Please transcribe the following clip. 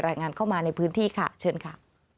รายงานเข้ามาในพื้นที่ค่ะเชิญค่ะ